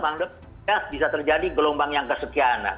bisa terjadi gelombang yang kesekianan